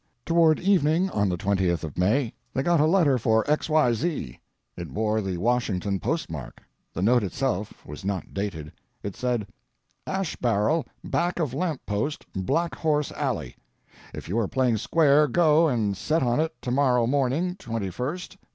Toward evening on the 20th of May, they got a letter for XYZ. It bore the Washington postmark; the note itself was not dated. It said: "Ash barrel back of lamp post Black horse Alley. If you are playing square go and set on it to morrow morning 21st 10.